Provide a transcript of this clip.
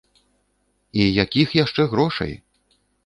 І якіх яшчэ грошай!